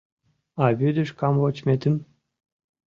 — А вӱдыш камвочметым?